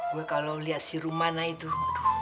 gue kalau lihat si rumana itu